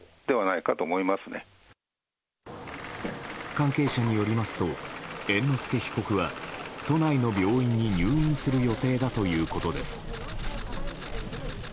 関係者によりますと猿之助被告は都内の病院に入院する予定だということです。